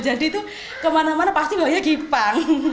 jadi itu kemana mana pasti bawain jipang